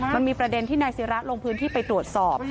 มันมีประเด็นที่นายศิระลงพื้นที่ไปตรวจสอบ